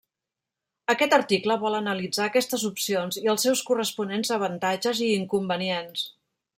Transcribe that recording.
Aquest article vol analitzar aquestes opcions i els seus corresponents avantatges i inconvenients.